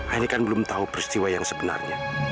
aini kan belum tau peristiwa yang sebenarnya